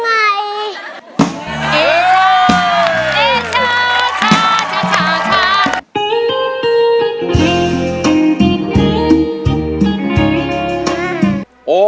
เอช่าเอช่าช่าช่าช่า